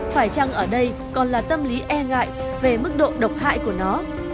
khoải trăng ở đây còn là tâm lý e ngại về mức độ độc hại của nó